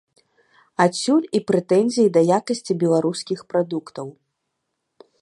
Адсюль і прэтэнзіі да якасці беларускіх прадуктаў.